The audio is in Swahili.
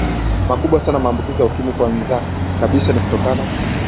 makubwa sana na maambukizo ya ukimwi Kwanza kabisa ni kutokana